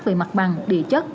về mặt bằng địa chất